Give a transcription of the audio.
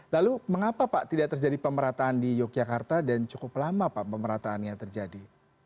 lalu mengapa pak tidak terjadi pemerataan di yogyakarta dan cukup lama pak pemerataannya terjadi